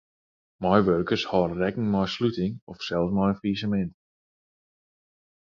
Meiwurkers hâlde rekken mei sluting of sels mei in fallisemint.